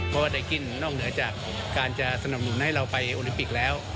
เพราะว่าไดกิ้นนอกเหนือจากการจะสนับสนุนให้เราไปโอลิมปิกแล้ว